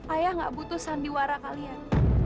ayah gak butuh sandiwara kalian